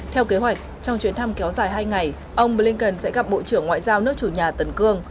theo kế hoạch trong chuyến thăm kéo dài hai ngày ông blinken sẽ gặp bộ trưởng ngoại giao nước chủ nhà tần cương